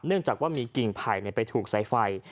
เนื่องจากว่ามีกิ่งไผ่ไปถูกใส่ไฟ